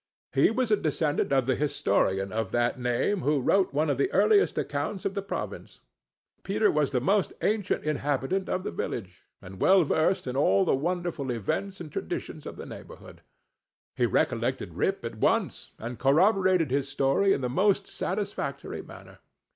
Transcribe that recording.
He was a descendant of the historian of that name, who wrote one of the earliest accounts of the province. Peter was the most ancient inhabitant of the village, and well versed in all the wonderful events and traditions of the neighborhood. He recollected Rip at once, and corroborated his story in the most satisfactory manner.